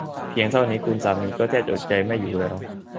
เพียงเท่านี้คุณสามีก็แทบจะอดใจไม่อยู่แล้ว